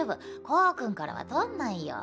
コウ君からは取んないよ。